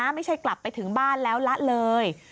ไม่ใช่กลับไปถึงบ้านแล้วละเลย